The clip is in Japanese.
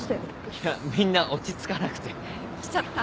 いやみんな落ち着かなくて。来ちゃった。